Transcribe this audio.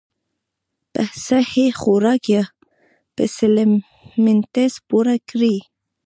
پۀ سهي خوراک يا پۀ سپليمنټس پوره کړي -